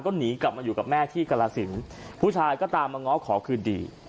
ก็หนีกลับมาอยู่กับแม่ที่กรสินผู้ชายก็ตามมาง้อขอคืนดี